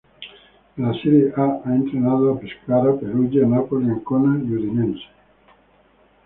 En la Serie A ha entrenado a Pescara, Perugia, Napoli, Ancona y Udinese.